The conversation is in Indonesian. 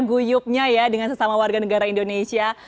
guyupnya ya dengan sesama warga negara indonesia